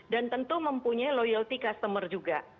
dan tentu mempunyai loyalty customer juga